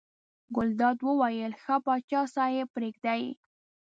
ګلداد وویل ښه پاچا صاحب پرېږده یې.